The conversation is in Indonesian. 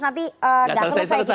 nanti gak selesai selesai